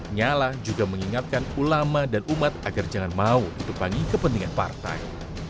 nyala juga mengingatkan ulama dan umat agar jangan mau ditupangi kepentingan partai